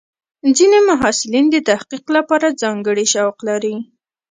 ځینې محصلین د تحقیق لپاره ځانګړي شوق لري.